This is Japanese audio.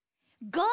ゴー！